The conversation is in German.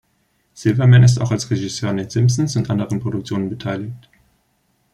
Silverman ist auch als Regisseur an den Simpsons und anderen Produktionen beteiligt.